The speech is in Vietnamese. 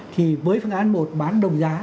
thì với phương án một bán đồng giá